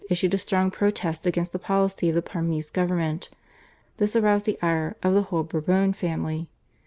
issued a strong protest against the policy of the Parmese government. This aroused the ire of the whole Bourbon family.